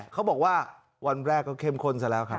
เขาบอกว่าวันแรกก็เข้มข้นซะแล้วครับ